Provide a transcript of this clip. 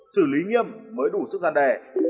xử lý nghiêm mới đủ sức gian đề